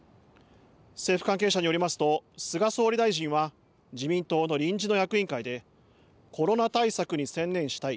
政府関係者によりますと菅総理大臣は自民党の臨時の役員会でコロナ対策に専念したい。